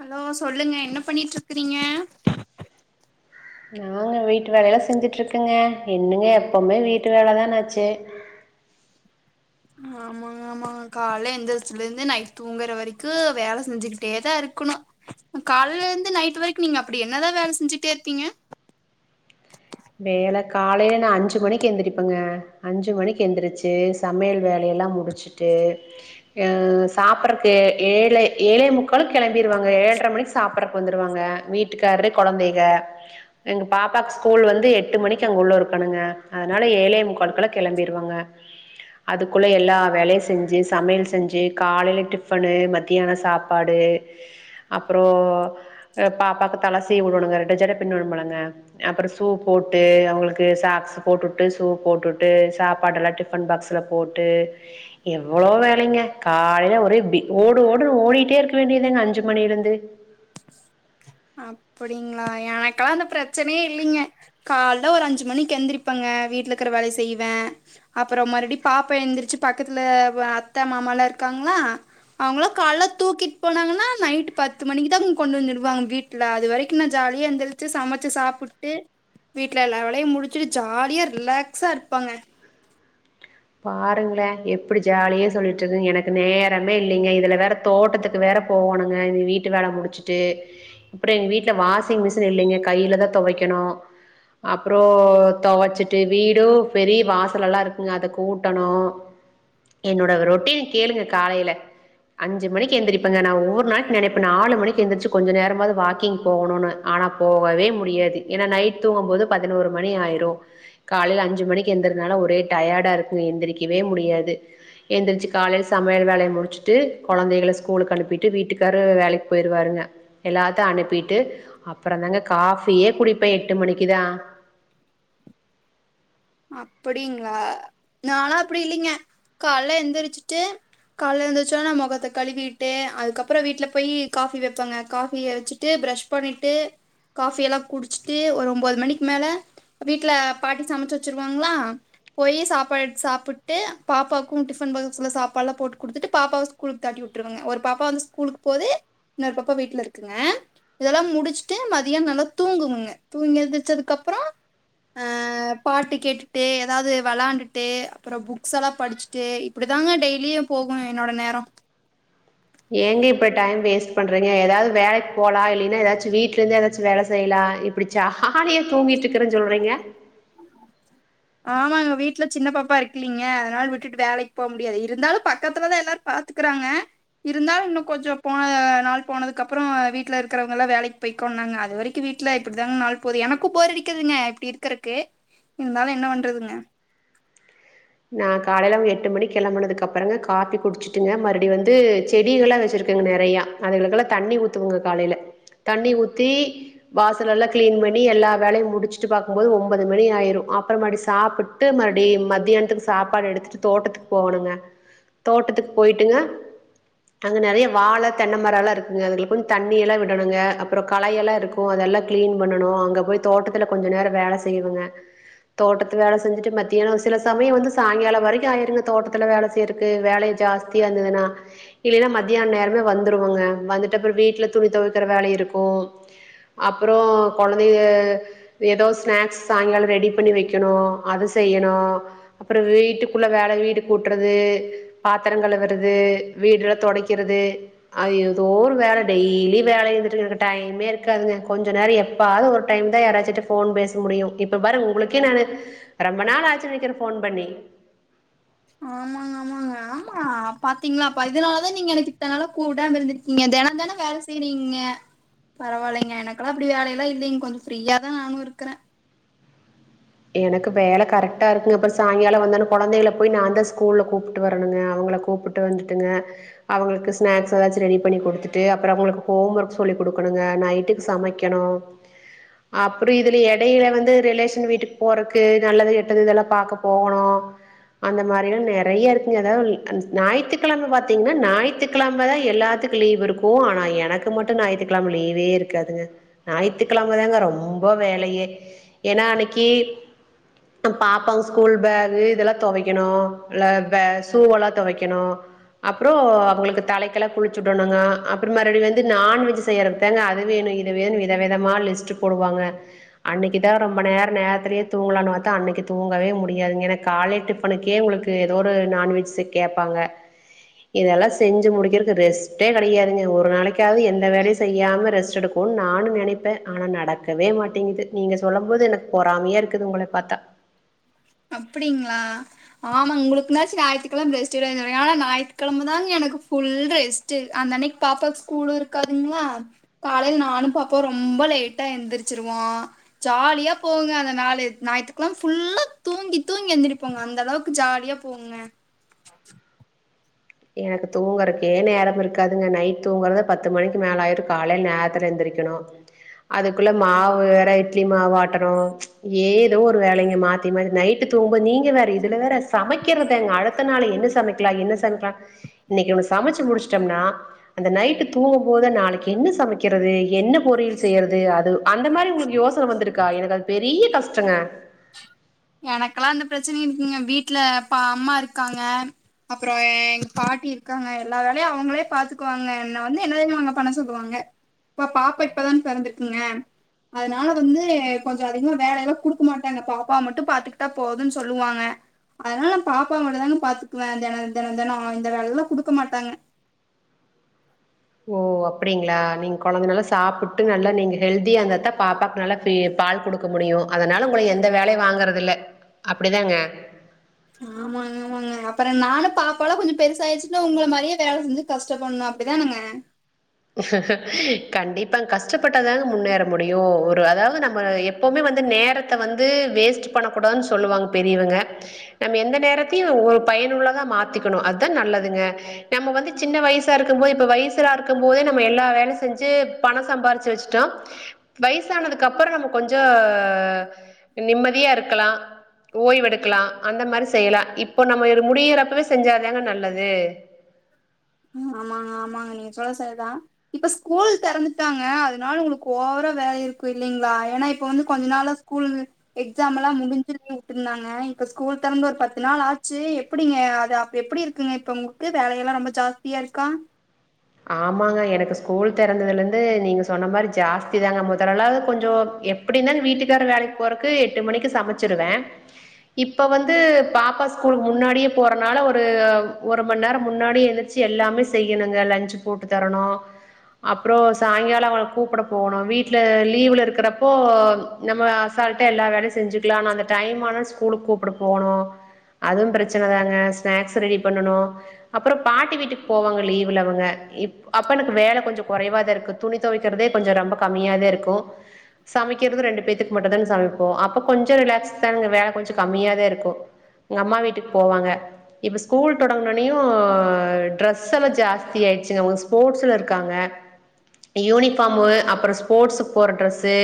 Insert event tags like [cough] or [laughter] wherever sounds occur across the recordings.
hello சொல்லுங்க என்ன பண்ணிட்டு இருக்குறீங்க நாங்க வீட்டு வேலையெல்லா செஞ்சுட்டுருக்கேங்க என்னங்க எப்போமே வீட்டு வேல தானு ஆச்சு ஆமா ஆமா ஆமாங்க காலையில எந்திரச்சதுல இருந்து நைட்டு தூங்குற வரைக்கு வேல செஞ்சுக்கிட்டே தா இருக்கணு காலையில இருந்து நைட் வரைக்கு நீங்க அப்டி என்னதா வேல செஞ்சுட்டே இருப்பீங்க வேல காலையில நா அஞ்சு மணிக்கு எந்திரிப்பங்க அஞ்சு மணிக்கு எந்துருச்சு சமையல் வேலையெல்லா முடிச்சுட்டு அ சாப்பறக்கு ஏழே ஏழே முக்காளுக்கு கெளம்பிடுவாங்க ஏழ்ர மணிக்கு சாப்புட்றக்கு வந்துடுவாங்க வீட்டுக்காரு கொழந்தைக எங்க பாப்பாவுக்கு ஸ்கூல் வந்து எட்டு மணிக்கு அங்க உள்ள இருக்கணுங்க அதுனால ஏழே முக்காளுக்கெல்லா கெளம்பிருவாங்க அதுக்குள்ள எல்லா வேலையு செஞ்சு சமையல் செஞ்சு காலையில டிஃபனு மத்தியானோ சாப் பாடு அப்புறோ பாப்பாவுக்கு தலசீவி விடணுங்க ரெட்ட ஜட பின்னனும்லங்க அப்புறோ ஷீ போட்டு அவங்களுக்கு சாக்ஸ் போட்டுட்டு சூ போட்டுட்டு சாப்பாடு எல்லா டிஃபன் பாக்ஸ்ல போட்டு எவ்வளோ வேலைங்க காலையில ஒரே ப்டி ஓடு ஓடு ஓடிட்டே இருக்க வேண்டியது தாங்க அஞ்சு மணிலே இருந்து [inaudible] அப்படிங்களா எனக்கெல்லா அந்த பிரச்சனையே இல்லைங்க கால்ல ஒரு அஞ்சு மணிக்கு எந்திரிப்பங்க வீட்ல இருக்கற வேலைய செய்வே அப்புறம் மறுபடி பாப்பா எந்திரிச்சு பக்கத்துல அத்த மாமாலா இருக்காங்ளா அவங்கள கால்ல தூக்கிட்டு போனாங்கனா நைட் பத்து மணிக்கு தா கொண்டு வந்துருவாங்க வீட்ல அது வரைக்கு நா ஜாலியா எந்திரிச்சு சமச்சு சாப்புட்டு வீட்ல எல்லா வேலையு முடிச்சுட்டு ஜாலியா ரிலாக்ஸா இருப்பாங்க பாருங்ளே எப்டி ஜாலியா சொல்லிட்டுருக் எனக்கு நேரமே இல்லைங்க இதுல வேற தோட்டத்துக்கு வேற போகணுங்க வீட்டு வேல முடிச்சிட்டு அப்புறம் எங்க வீட்ல வாஷிங் மிஷின் இல்லைங்க கையில தா தொவைக்கணு அப்றோ தொவச்சிட்டு வீடும் பெரிய வாசலெல்லா இருக்குங்க அது கூட்டணு என்னோட ரொட்டின் கேளுங்க காலையில அஞ்சு மணிக்கு எந்திரிப்பங்க நா ஒவ்வொரு நாளைக்கு நெனப்ப நாலு மணிக்கு எந்திருச்சு கொஞ்ச நேரமாவது வாக்கிங் போகணுனு ஆனா போகவே முடியாது ஏனா நைட் தூங்கும் போது பதினோரு மணி ஆயிரு காலையில அஞ்சு மணிக்கு எந்திரதுனால ஒரே டயர்டா இருக்கு எந்திரிக்கவே முடியாது எந்திரிச்சி காலையில் சமையல் வேல முடிச்சுட்டு குழந்தைகள ஸ்கூலுக்கு அனுப்பிட்டு வீட்டுக்காரரு வேலைக்கு போயிடுவாருங்க எல்லாத்தையு அனுப்பிட்டு அப்புறதாங்க காஃபியே குடிப்பே எட்டு மணிக்குதா அப்டிங்ளா நானாலா அப்டி இல்லைங்க கால்ல எந்திரிச்சுட்டு கால்ல எந்துருந்துச்சோனா மொகத்த கழுவிட்டு அதுக்கப்புற வீட்ல போயி காஃபி வெப்பங்க காஃபிய வச்சு விட்டு ப்ரஷ் பண்ணிட்டு காஃபி எல்லா குடிச்சுட்டு ஒரு ஒம்பது மணிக்கு மேல வீட்ல பாட்டி சமச்சு வச் சுருவாங்களா போயி சாப்பாடு எடுத்து சாப்புட்டு பாப்பாக்கும் டிஃபன் பாகஸ்ல சாப்பாடுல்லா போட்டு குடுத்துட்டு பாப்பாவு ஸ்கூலக்கு தாட்டி விட்டுருவங்க ஒரு பாப்பா வந்து ஸ்கூலுக்கு போது இன்னோரு பாப்பா வீட்ல இருக்குங்க இதெல்லா முடிச்சுட்டு மதியோ நல்லா தூங்குவங்க தூங்கி எந்திருச்சதுக்கு அப்பறோ ஆ பாட்டு கேட்டுட்டு ஏதாவது வெளாண்டுட்டு அப்றோ புக்ஸ் எ‌ல்லா படிச்சுட்டு இப்டிதாங்க டெய்லியு போகு என்னோட நேரோ ஏங்க இப்ப டைம் வேஸ்ட் பண்றீங்க ஏதாவது வேலைக்கு போலா இல்லைன்னா ஏதாச்சு வீட்ல இருந்து ஏதாச்சு வேல செய்லா இப்டி ஜாலியா தூங்கிட்டு இருக்கறேன்னு சொல்றங்க ஆமாங்க வீட்டுல சின்ன பாப்பா இருக்குலீங்க அதனால விட்டுட்டு வேலைக்கு போக முடியாது இருந்தாலும் பக்கத்துலதா எல்லாரு பாத்துக்கறாங்க இருந்தாலு இன்னு கொஞ்சோ போன நாள் போனதுக்கு அப்பறோ வீட்டல இருக்கவங்கல்லா வேலைக்கு போய்கோன்னாங்க அது வரைக்கும் க்கு வீட்ல இப்டிதாங்க நாள் போகுது எனக்கும் போர்டிக்கதுங்க இப்டி இருக்கறக்கு இருந்தாலும் என்ன பண்றதுங்க நா காலைல்ல ஒரு எட்டு மணிக் கெளம்புனதுக்கப்பறங்க காஃபி குடிச்சிட்டுங்க மறுபடி வந்து செடிகளா வெச்சுருக்கேங்க நிறையா அதுகலுக்கெல்லாம் தண்ணி ஊத்துவங்க காலைல்ல தண்ணி ஊத்தி வாசல் எல்லா கிளீன் பண்ணி எல்லா வேலையும் முடிச்சுட்டு பாக்கம்போது ஒம்பது மணி ஆயிரும் அப்ற மறுபடியு சாப்பிட் ட்டு மறுபடி மத்தியானத்துக்கு சாப்பாடு எடுத்துட்டு தோட்டத்துக்கு போகணுங்க தோட்டத்துக்கு போயிட்டுங்க அங்க நெறைய வாழ தென்னமரோ எல்லா இருக்குங்க அதுங்களுக்கு தண்ணி எல்லா விடணுங்க அப்றோ களையெல்லா இருக்கும் க்கும் அதெல்லா கிளீன் பண்ணணு அங்க போய் தோட்டத்துல கொஞ்ச நேரோ வேல செய்வங்க தோட்டத்து வேல செஞ்சுட்டு மத்தியானோ சில சமயோ வந்து சாயங்காலம் வரைக்கும் ஆயிருங்க தோட்டத்துல வேல செய்யறக்கு வேலைய ஜாஸ்தியா இருந்ததுன்னா இல்லைன்னா மத்தியான நேரமே வந்துருவங்க வந்துட்டு அப்றோ வீட்டுல துணி துவக்கிற வேலை இருக்கும் அப்பறோ கொழந்தைங்க ஏதோ ஸ்நாக்ஸ் சாயங்காலோ ரெடி பண்ணி வைக்கணு அது செய்யணும் அப்பற வீட்டுக்குள்ள வேல வீடு கூட்டுறது பாத்திர கழுவுறது வீடுல தொடைக்கிறது அது ஏதோ ஒரு வேல டெய்லி வேல இருந்துட்டு எனக்கு டைமே இருக்காதுங்க கொஞ்ச நேரோ எப்ப ப்பாது ஒரு டைம் தா யாராச்ச போன் பேச முடியும் இப்ப பா உங்கக்கே நா ரொம்ப நாளாச்சுன் நெனக்கிறே போன் பண்ணி ஆமாங்க ஆமாங்க ஆமா பாத்தீங்களாப்பா இதனாலதா நீங்க எனக்கு இத்தனால கூடாம இருந்திருக்கீங்க தெனந்தனம் வேல செய்யறீங்கங்க பரவால்லைங்க எனக்கெல்லா அப்டி வேலைல்லா இல்லைங் கொஞ்ச ஃப்ரீயாதா நானும் இருக்கறே எனக்கு வேல கரெக்டா இருக்குங்க அப்பற் சாய்ங்கால வந்தன்ன கொழந்தைகல போய் நா தா ஸ்கூல்ல கூப்டு வரணுங்க அவுங்கள கூப்புட் ட்டு வந்துட்டுங்க அவங்களுக்கு ஸ்நாக்ஸ் ஏதாச்சு ரெடி பண்ணி குடுத்துட்டு அப்பறோ அவங்களுக்கு ஹோம் ஒர்க் சொல்லி குடுக்கணுங்க நைட்டுக்கு சமைக்க கணு அப்புறோ இதுல எடைல வந்து ரிலேஷன் வீட்டுக் போறக்கு நல்லது கெட்டது இதெல்லா பாக்க போகணு அந்த மாரிலா நெறைய இருக்குங்க அதாவந் அந் நாயித்துக்கெழம பாத்தீங்கன்னா நாயித்துக்கெழமதா எல்லாத்துக் லீவ் இருக்கு ஆனா எனக்கு மட்டு நாயித்துக்கெழம லீவே இருக்காதுங்க நாயித்துக்கெழம்பதாங்க ரொம்ப வேலையே ஏன்னா அன்னைக்கு அ பாப்பாங்க ஸ்கூல் பேகு இதெல்லா தொவைக்கணு ல பே சூவெல்லா தொவைக்கணு அப்றோ அவங்களுக்கு தலைக்கெல்லா குளிச்சு விடணுங்க அப்பறமா மறுவடி வந்து நான்வெஜ் செய்யறதுக்தாங்க அதுவேணு இது வேணு விதவிதமா லிஸ்ட் போடுவாங்க அன்னைக்கு தா ரொம்ப நேரோ நேரத்லே தூங்கலான்னு பாத்தா அன்னைக்கு தூங்கவே முடியாதுங்க ஏன்னா காலே டிப்பனுக்கே உங்களுக்கு ஏதோ ஒரு நான்வெஜ் செ கேப்பாங்க இதெல்லா செஞ்சு முடிக்கிறதுக்கு ரெஸ்ட்டே கெடையாதுங்க ஒரு நாளைக்காவது எந்த வேலையு செய்யாம ரெஸ்ட் எடுப் போன்னு நானு நெனைப்பே ஆனா நடக்கவே மாட்டேங்குது நீங்க சொல்லம் போது எனக் பொறாமையா இருக்குது உங்கள பாத்தா அப்டிங்ளா ஆமாங் உங்களுக்குனாச்சு ஞாயித்துக்கிழம் ரெஸ்ட் வேணு ஆனா ஞாயித்துக்கெழம தாங்க எனக்கு ஃபுல் ரெஸ்ட் ட்டு அந் அன்னைக் பாப்பாக் ஸ்கூலு இருக்காதுங்களா காலைல நானும் பாப்பாவு ரொம்ப லேட்டா எந்திரிச்சிருவோ ஜாலியாப் போவுங்க அந்த நாலு ஞாயித்துக்கெழம் ஃபுல்லாத் தூங்கி தூங்கி எந்திரிப்போங்க அந்தளவுக்கு ஜாலியா போவுங்க எனக்கு தூங்கறக்கே நேரம் இருக்காதுங்க நைட் தூங்கறத பத்து மணிக்கு மேல ஆயிருக் காலைல் நேரத்ல எந்திரிக் கெனோ அதுக்குள்ள மாவு வேற இட்லி மாவு ஆட்டனு ஏதோ ஒரு வேலைங்க மாத் தி மாதிரி நைட்டுத் தூங்கும்போத் நீங்க வேற இதுல வேற சமைக்கிறதாங் அடுத்த நாள் என்ன சமைக்லா என்ன சமைக்லா இன்னைக்கு ஒன்னு சமச்சு முடிச்டம்னா அந்த நைட்டு தூங்கும் போது நாளைக்கு என்ன சமைக்கிறது என்னப் பொரியல் செய்யறது அது அந்த மாரி உங்ளுக்கு யோசன வந்துருக்கா எனக்கு அது பெரிய கஷ்டங்கே எனக்லா இந்த பிரச்சன இன்னிங்க வீட்ல பா அம்மா இருக்காங்க அப்றோ எங் பாட்டி இருக்காங்க எல்லா வேலையு அவுங்ளேப் பாத்துக்குவாங்க என்ன வந்து என்ன தெரியுமாங்க பண்ண சொல்லுவாங்க இப்ப பாப்பா இப்பதான் பெறந்துருக்குங்க அதுனால வந்து எ கொஞ்சோ அதிகமா வேலையெல்லாங் குடுக்க மாட்டாங்க பாப்பா மட்டும் பாத்துக்ட்டா போதுன் சொல்லுவாங்க அதனால நாம் பாப்பாவ மட்டுந்தாங்க பாத்துக்வே தென தெனந் தெனோ இந்த வேல்லா குடுக்க மாட்டாங்க ஓ அப்டிங்ளா நீங் கொழந்த நல்லா சாப்புட்டு நல்லா நீங்க ஹெல்தியா இந்தாதாப் பாப்பாக் நல்லாப் பி பால் குடுக்க முடியு அதனால உங்கள எந்த வேலையு வாங்கறதில்ல அப்டிதாங்க ஆமாங் ஆமாங்க அப்பற நானுப் பாப்பாலா கொஞ்சம் பெருசாயிருச்சுனா உங்ள மாரியே வேல செஞ்சு கஷ்டபன்னு அப்டிதானங்கே கண்டிப்பாங் கஷ்டப்பட்டாதாங்க முன்னேற முடியு ஒரு அதாவது நம்ம எப் ப்போமே வந்து நேரத்த வந்து வேஸ்ட்டு பண்ணக் கூடாதுன் சொல்லுவாங் பெரியிவுங்க நம்ம எந்த நேரத்தையு ஒரு பயனுள்ளதா மாத்திக்கணு அத்தா நல்லதுங்க நம்ம வந்து சின்ன வயசா இருக்கும் போது இப்ப வயசுலாருக் க்கும் போதே நம்ம எல்லா வேல செஞ்சு பணோ சம்பாரிச்சு வச்ட்டோ வயசானதுக்கப்பறோ நம்ம கொஞ்சோ நிம்மதியா இருக்கலா ஓய்வெடுக்லா அந்த மாரி செய்யலா இப்போ நம்ம இரு முடியிறப்பவே செஞ்சாதாங்க நல்லது ஆமாங்க ஆமாங்க நீங் சொல்றது சரிதா இப்ப ஸ்கூல் தெறந்துட்டாங்க அதுனால உங்ளுக்கு ஓவரா வேல இருக்கு இல்லீங்ளா எனா இப்ப வந்து கொஞ்ச நாளாச் கூலுது எக்ஸாம்மெலாம் முடிஞ்சு லீவ் வுட்டுந்தாங்க இப்ப ஸ்கூல் தெறந்து ஒரு பத்து நாள் ஆச்சு எப்டிங்க அது அப் எப்டி இருக் இக்குங்க இப்ப உங்க்கு வேலையெல்லா ரொம்ப ஜாஸ்தியா இருக்கா ஆமாங்க எனக்கு ஸ்கூல் தெறந்ததுலந்து நீங்க சொன்ன மாரி ஜாஸ்தி தாங்க முதலலா கொஞ்சோ எப் பிடிந்தா இந்த வீட்டுக்காரர் வேலைக் போறக்கு எட்டு மணிக்கு சமச்சுருவே இப்ப வந்து பாப்பா ஸ்கூலு முன்னாடியேப் போறனால ஒரு ஒரு மண் நேரம் முன்னாடியே எந்திர் ச்சி எல்லாமே செய்யணுங்க லன்ச்சு போட்டு தரணு அப்றோ சாய்ங்காலோ அவள கூப்ட போணு வீட்ல லீவ்ல இருக்கறப்போ நம்ம அசால்ட்டா எல்லா வேலையு செஞ்சுக்லா ஆனா அந்த டைம் ஆனா ஸ்கூலுக் கூப்ட போணு அதும் பிரச்சனதாங்க ஸ்நாக்ஸ் ரெடி பண்ணனு அப்றம் பாட்டி வீட்டுக் போவாங்க லீவ்ல அவுங்க இப் அப்ப எனக்கு வேல கொஞ்ச கொறைவாதா இருக்கு துணி தொவைக்கிறதேக் கொஞ்சோ ரொம்ப கம்மியாதே இருக்கு சமைக்கிறது ரெண்டு பேத்துக் மட்டுந்தாங்க சமைப்போ அப்ப கொஞ்சோ ரிலாக்ஸ்தான்ங்க வேல கொஞ்சோ கம்மியாதா இருக்கு எங்கம்மா வீட்டுக் போவாங்க இப்போ ஸ்கூல் தொடங்னோனியு ட்ரெஸ் எல்லா ஜாஸ்தி ஆயிட் ச்சிங்க அவுங்க ஸ்போர்ட்ஸ்ல இருக்காங்க யூனிஃபார்மு அப்றம் ஸ்போர்ட்ஸுக்கு போட்ற ட்ரெஸ்சு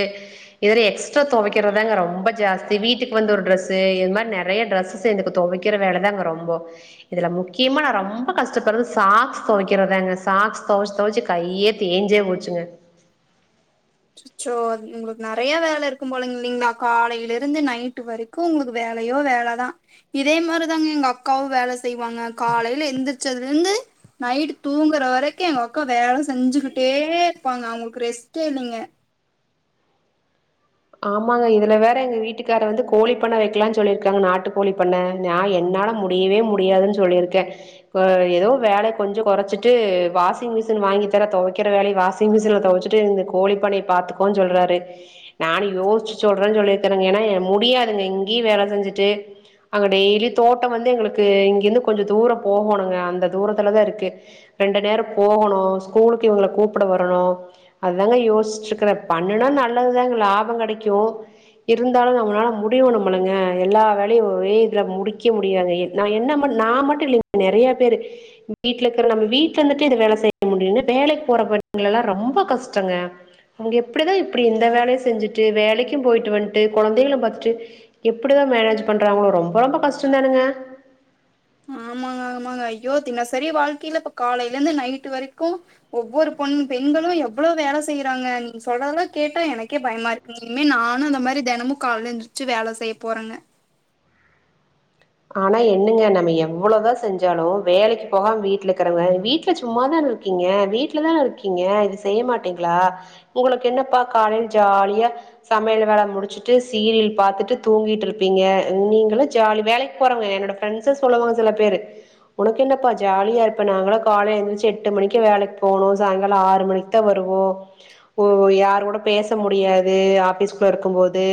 இதுல எக்ஸ்ட்ரா தொவைக்கிறதாங்க ரொம்ப ஜாஸ்தி வீட்டுக்கு வந்து ஒரு ட்ரெஸ்சு இது மாரி நெறைய ட்ரெஸ் சு எனக்கு தொவைக்கிற வேலதாங்க ரொம்போ இதுல முக்கியமா நா ரொம்ப கஷ்டப்படுறது சாக்ஸ் தொவைக்கறதாங்க சாக்ஸ் தொவச்சு தொவச்சு கையே தேஞ்சே போச்சிங்க ச்சச்சோ உங்ளுக்கு நெறையா வேல இருக்கும் போலங்க இல்லைங்களா காலையில இருந்து நைட்டு வரி க்கும் உங்ளுக்கு வேலையோ வேல தா இதே மாரிதாங்க எங்க அக்காவும் வேல செய்வாங்க காலைய்ல எந்திரிச்சதுல இருந்து நைட் தூங்குற வரைக்கு எங்க அக்கா வேலை செஞ்சுகிட்டே இருப்பாங்க அவங்ளுக்கு ரெஸ்டே இல்லங்க ஆமாங்க இதுல வேற எங்க வீட்டுக்கார வந்து கோழி பண்ண வைக்கலானு சொல்லிருக்காங்க நாட்டு கோழி பண்ண நா என்னால முடியவே முடியாதுன்னு சொல்லியிருக்கே ஏதோ வேல கொஞ்ச குறச்சுட்டு வாஷிங் மிஷின் வாங்கி தர தொவைக்கிற வேலய வா ஷிங் மிஷன்ல தொவச்சுட்டு இந்த கோழி பண்ணைய பாத்துக்கோன் சொல்றாரு நானு யோசிச்சு சொல்ற சொல்லியிருக்றங்க ஏன்னா என் முடியாதுங்க இங்கியும் வேல செஞ்சிட்டு அங்க டெய்லியும் தோட்டம் வந்து எங்ளுக்கு இங்கிருந்து கொஞ்ச தூர போகணுங்க அந்த தூரத்துல தா இருக்கு ரெண்டு நேர போகணும் ஸ்கூலுக்கு இவங்கள கூப்பட வரணு அதாங்க யோசிச்சிட்ருக்கற பண்ணுனா நல்லதுதாங்க லாபம் கெடைக்கு இருந்தாலும் நம்மனால முடியும் நம்மளுங்க எல்லா வேலயும் ஒரே இதுல முடிக்க முடியாதே நான் என்ன மும் நா மட்டு இல்லங்க நெறைய பேரு வீட்லருக்க நம்ம வீட்ல இருந்துட்டே இது வேல செய்ய முடியும்னு வேலைக்கு போற பெண்களெல்லா ரொம்ப கஷ்டங்க அங்க எப்டிதா இப்டி இந்த வேலையும் செஞ்சுட்டு வேலைக்கும் போயிட்டு வன்ட்டு கொழந்தகளும் பாத்துட்டு எப்படிதா மேனேஜ் பண்றாங்களோ ரொம்ப ரொம்ப கஷ்டதானுங்க ஆமாங்க ஆமாங்க ஐயோ தினசரி வாழ்க்கயில இப்ப காலையில இருந்து நைட்டு வரிக்கு ஒவ்வொரு பொன் பெண்களு எவ்ளோ வேல செய்றாங்க நீங்க சொல்றதல்லா கேட்டா எனக்கே பயமா இனிமே நானு இந்த மாரி தெனமும் கால்ல எந்திரிச்சு வேல செய்ய போறங்க ஆனா என்னங்க நம்ம எவ்ளதா செஞ்சாலு வேலைக்கு போகாம வீட்ல இருக்கிறவங்க வீட்ல சும்மாதான இருக்கீங்க வீட்டுலதான இருக்கீங்க இது செய்ய மாட்டீங்களா உங்களுக்கு என்னப்பா காலையில ஜாலியா சமையல் வேல முடிச்சுட்டு சீரியல் பாத்துட்டு தூங்கிட்டு இருப்பீங்க நீங்கள ஜாலி வேலைக்கு போறாங்க என்னோட ஃப்ரெட்ண்ஸ் சொல்லுவாங்க சில பேரு உனக்கு என்னப்பா ஜாலியா இருப்ப நாங்களா கால ஏஞ்சி எட்டு மணிக்கு வேலைக்கு போணும் சாயங்காலம் ஆறு மணிக் தா வருவோ ஓ யார் கூட பேச முடியாது ஆபீஸ் போயிருக்கும் போது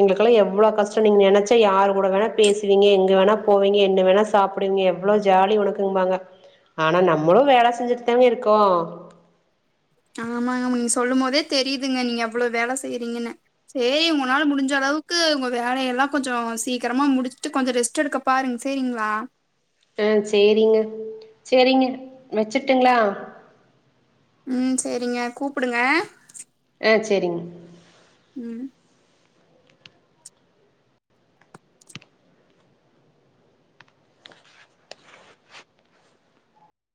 எங்ளுக்கெல்லா எவ்ளோ கஷ்டோ நீங்க நெனச்சா யாரு கூட வேணா பேசுவீங்க எங் க வேணா போவீங்க என்ன வேணா சாப்டுவீங்க எவ்ளோ ஜாலி உனக்குன்பாங்க ஆனா நம்மளு வேல செஞ்சுட்டு தாங்க இருக்கோ ஆமாங்க ஆமாங் நீங்க சொல்லும் போதே தெரிதுங்க நீங்க எவ்ளோ வேல செய்றீங்கன்னு சேரி உங்கனால முடிஞ்சளவுக்கு உங்க வேலயெல்லா கொஞ்சோ சீக்கரமா முடிச்சுட்டு கொஞ்சோ ரெஸ்ட் எடுக்கப் பாருங் சேரிங்ளா அ சேரிங்க சேரிங்க வச்சுட்டுங்ளா ம் சேரிங்க கூப்புடுங்க ஆ சேரிங்க ம்